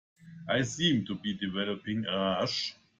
I seem to be developing a rash.